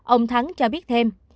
ông thắng cho biết thêm